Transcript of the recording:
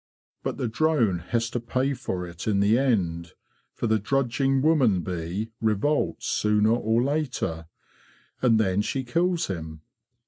But the drone has to pay for it in the end, for the drudging woman bee revolts sooner or later. And then she kills him.